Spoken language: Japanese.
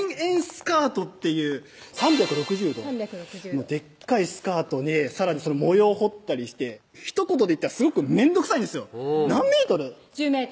スカートっていう３６０度のでっかいスカートにさらに模様を彫ったりしてひと言で言ったらすごくめんどくさいんですよ何ｍ？